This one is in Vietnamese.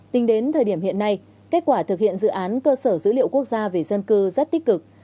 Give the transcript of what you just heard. tính đến thời điểm hiện nay kết quả thực hiện dự án cơ sở dữ liệu quốc gia về dân cư rất tích cực